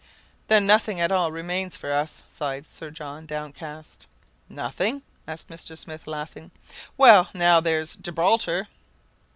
"Then nothing at all remains for us!" sighed Sir John, downcast. "Nothing?" asked Mr. Smith, laughing. "Well, now, there's Gibraltar!"